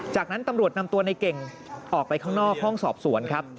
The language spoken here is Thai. จากนั้นตำรวจนำตัวในเก่งออกไปข้างนอกห้องสอบสวนครับ